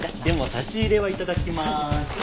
でも差し入れは頂きます。